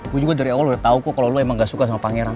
gue juga dari awal udah tau kok kalau lu emang gak suka sama pangeran